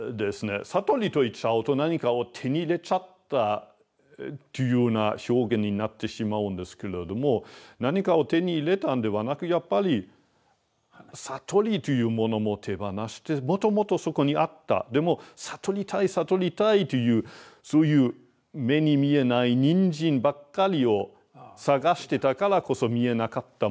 悟りと言っちゃうと何かを手に入れちゃったというような表現になってしまうんですけれども何かを手に入れたんではなくやっぱり悟りというものも手放してもともとそこにあったでも悟りたい悟りたいというそういう目に見えないニンジンばっかりを探してたからこそ見えなかったものですね。